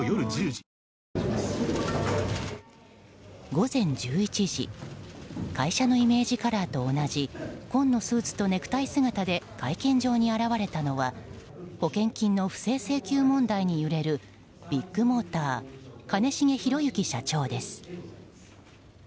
午前１１時会社のイメージカラーと同じ紺のスーツとネクタイ姿で会見場に現れたのは保険金の不正請求問題に揺れるビッグモーター兼重宏行社長です。